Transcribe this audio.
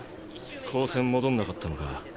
高専戻んなかったのか。